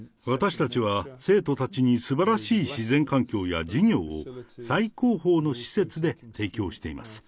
私たちは生徒たちにすばらしい自然環境や授業を、最高峰の施設で提供しています。